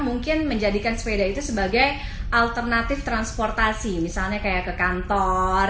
mungkin menjadikan sepeda itu sebagai alternatif transportasi misalnya kayak ke kantor